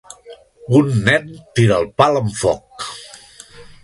Un nen tira el pal amb foc.